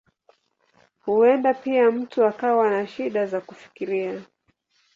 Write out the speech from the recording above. Huenda pia mtu akawa na shida za kufikiria.